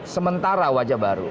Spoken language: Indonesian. sementara wajah baru